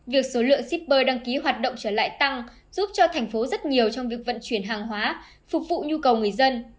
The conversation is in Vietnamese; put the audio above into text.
việc số lượng shipper đăng ký hoạt động trở lại tăng giúp cho thành phố rất nhiều trong việc vận chuyển hàng hóa phục vụ nhu cầu người dân